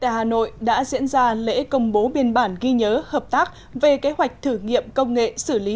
hà nội đã diễn ra lễ công bố biên bản ghi nhớ hợp tác về kế hoạch thử nghiệm công nghệ xử lý